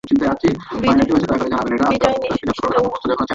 বিজয় নিশ্চিত জেনে তিনি ইস্তাম্বুলের ঐতিহাসিক আইয়ুপ সুলতান মসজিদে নামাজ আদায় করেন।